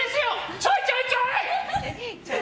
ちょいちょいちょい！